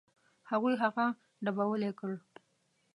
هغوی هغه ډبولی کړ.